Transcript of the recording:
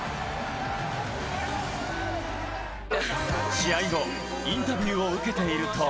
試合後、インタビューを受けていると。